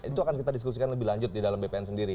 itu akan kita diskusikan lebih lanjut di dalam bpn sendiri